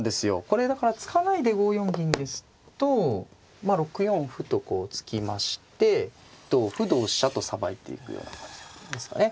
これだから突かないで５四銀ですと６四歩とこう突きまして同歩同飛車とさばいていくような感じですかね。